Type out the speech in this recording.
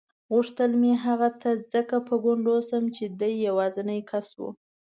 غوښتل مې هغه ته ځکه په ګونډو شم چې دی یوازینی کس و.